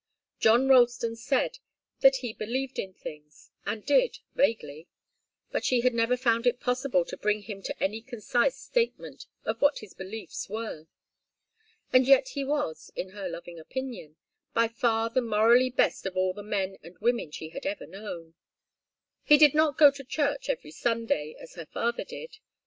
John Ralston said that he 'believed in things' and did, vaguely. But she had never found it possible to bring him to any concise statement of what his beliefs were. And yet he was, in her loving opinion, by far the morally best of all the men and women she had ever known. He did not go to church every Sunday, as her father did.